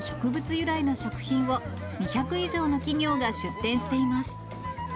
由来の食品を２００以上の企業が出展しています。